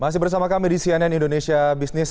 masih bersama kami di cnn indonesia business